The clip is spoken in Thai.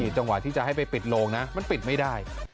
จังหวะที่จะให้ไปปิดโรงนะมันปิดไม่ได้